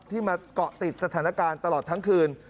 มาเกาะติดสถานการณ์ตลอดทั้งคืน